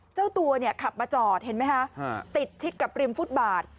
เจ้าตัวเนี่ยขับมาจอดเห็นไหมคะติดชิดกับริมฟุตบาท